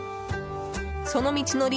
その道のり